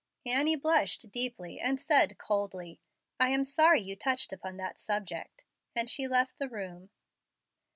Annie blushed deeply, and said, coldly, "I am sorry you touched upon that subject," and she left the room.